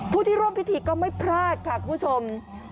ผู้ที่ร่วมพิธีก็ไม่พลาดค่ะคุณผู้ชม